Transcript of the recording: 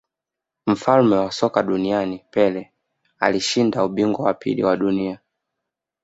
mfalme wa soka duniani Pele alishinda ubingwa wa pili wa dunia